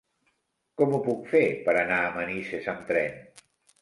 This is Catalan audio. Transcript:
Com ho puc fer per anar a Manises amb tren?